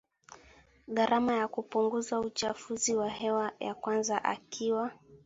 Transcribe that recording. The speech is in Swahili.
gharama ya kupunguza uchafuzi wa hewa ya kwanza ikiwa